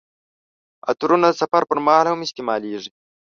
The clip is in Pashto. عطرونه د سفر پر مهال هم استعمالیږي.